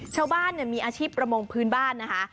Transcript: ชาวบ้านมีอาชีพประมงพื้นบ้านนะคะ